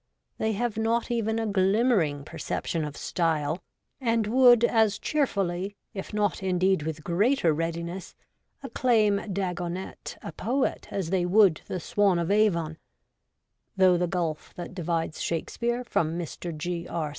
They have not even a glimmering perception of style, and would as cheerfully (if not, indeed, with greater readiness) acclaim Dagonet a poet as they would the Swan of Avon, although the gulf that divides Shakespeare from Mr. G. R.